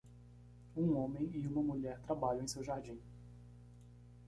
Um homem e uma mulher trabalham em seu jardim.